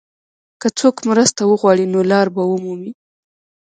که څوک مرسته وغواړي، نو لار به ومومي.